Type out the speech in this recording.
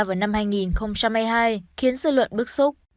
vào năm hai nghìn hai mươi hai khiến dư luận bức xúc